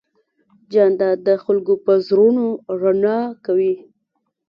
جانداد د خلکو په زړونو رڼا کوي.